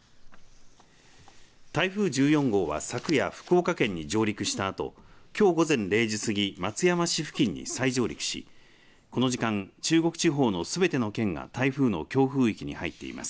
台風１４号は昨夜福岡県に上陸したあときょう午前０時すぎ松山市付近に再上陸しこの時間中国地方のすべての県が台風の強風域に入っています。